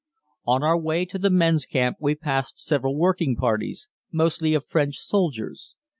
On our way to the men's camp we passed several working parties, mostly of French soldiers.